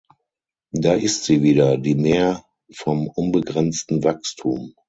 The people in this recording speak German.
Da ist sie wieder, die Mär vom unbegrenzten Wachstum.